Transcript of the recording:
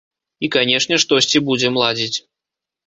І канешне, штосьці будзем ладзіць.